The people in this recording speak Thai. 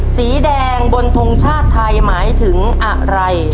สีแดงบนทงชาติไทยหมายถึงอะไร